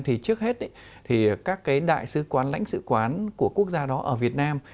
thì trước hết các đại sứ quán lãnh sứ quán của quốc gia đó ở việt nam